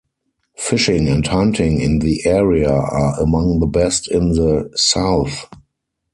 Fishing and hunting in the area are among the best in the south.